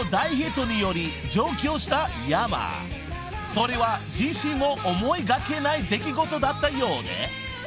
［それは自身も思いがけない出来事だったようで］